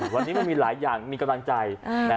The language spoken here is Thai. วันนี้มันมีหลายอย่างมีกำลังใจ